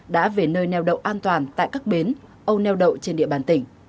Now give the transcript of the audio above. đã về nơi neo đậu an toàn tại các bến âu neo đậu trên địa bàn tỉnh